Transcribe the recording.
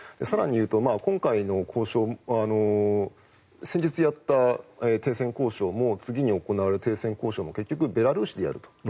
更に言うと今回の交渉も先日やった停戦交渉も次に行われる停戦交渉も結局ベラルーシでやると。